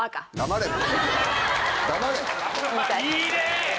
・いいね！